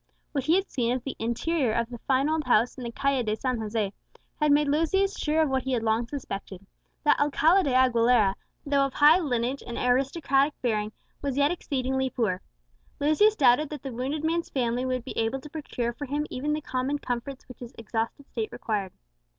What he had seen of the interior of the fine old house in the Calle de San José had made Lucius sure of what he had long suspected, that Alcala de Aguilera, though of high lineage and aristocratic bearing, was yet exceedingly poor. Lucius doubted that the wounded man's family would be able to procure for him even the common comforts which his exhausted state required.